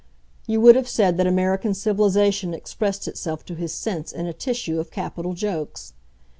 You would have said that American civilization expressed itself to his sense in a tissue of capital jokes.